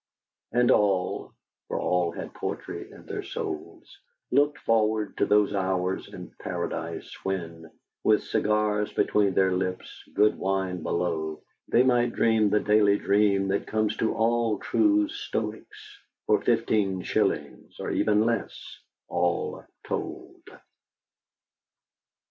And all for all had poetry in their souls looked forward to those hours in paradise when, with cigars between their lips, good wine below, they might dream the daily dream that comes to all true Stoics for about fifteen shillings or even less, all told.